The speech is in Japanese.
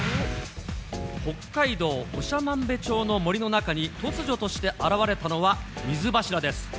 北海道長万部町の森の中に、突如として現れたのは、水柱です。